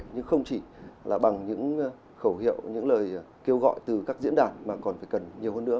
nhưng không chỉ là bằng những khẩu hiệu những lời kêu gọi từ các diễn đàn mà còn phải cần nhiều hơn nữa